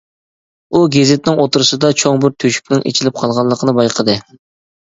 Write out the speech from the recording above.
ئۇ گېزىتنىڭ ئوتتۇرىسىدا چوڭ بىر تۆشۈكنىڭ ئېچىلىپ قالغانلىقىنى بايقىدى.